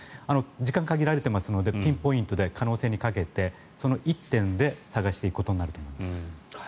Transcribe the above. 時間が限られていますのでピンポイントで可能性にかけてその１点で捜していくことになると思います。